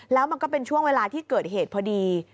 แล้วมันก็เป็นช่วงเวลาที่เกิดเหตุพอดี